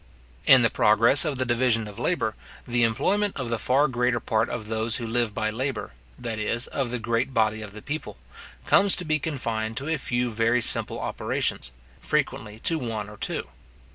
In the progress of the division of labour, the employment of the far greater part of those who live by labour, that is, of the great body of the people, comes to be confined to a few very simple operations; frequently to one or two.